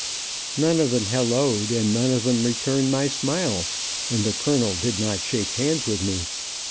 None of them helloed, and none of them returned my smile, and the colonel did not shake hands with me.